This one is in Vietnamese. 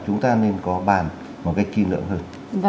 chúng ta nên có bàn một cách chi lượng hơn